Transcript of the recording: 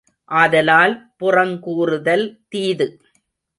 ஆதலால் புறங்கூறுதல் தீது.